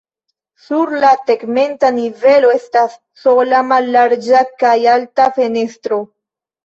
Sur la tegmenta nivelo estas sola mallarĝa kaj alta fenestro.